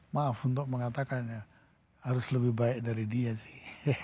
maaf untuk mengatakan ya harus lebih baik dari dia sih